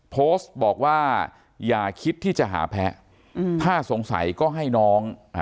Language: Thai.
โพสต์บอกว่าอย่าคิดที่จะหาแพ้ถ้าสงสัยก็ให้น้อง